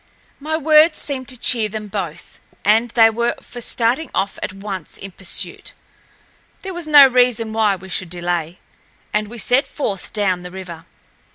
My words seemed to cheer them both, and they were for starting off at once in pursuit. There was no reason why we should delay, and we set forth down the river.